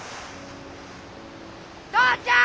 父ちゃん！